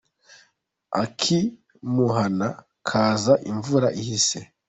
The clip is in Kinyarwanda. Ak’imuhana kaza imvura ihise.